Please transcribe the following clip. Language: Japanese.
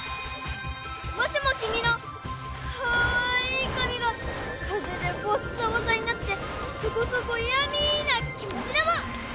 もしも君のかわいい髪が風でボッサボサになってそこそこヤミーな気持ちでも！